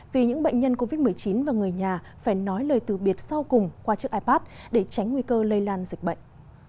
vì những bệnh nhân covid một mươi chín và người nhà phải nói lời từ biệt sau cùng qua chiếc ipad để tránh nguy cơ lây lan dịch bệnh